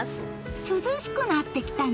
涼しくなってきたね！